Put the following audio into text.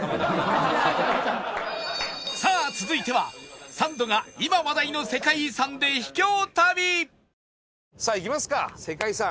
さあ続いてはサンドが今話題の世界遺産で秘境旅さあ行きますか世界遺産。